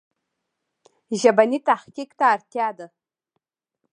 ژبني تحقیق ته اړتیا ده.